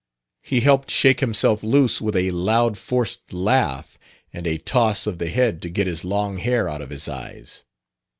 He helped shake himself loose with a loud forced laugh and a toss of the head to get his long hair out of his eyes.